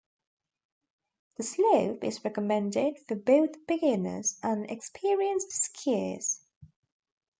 The slope is recommended for both beginners and experienced skiers.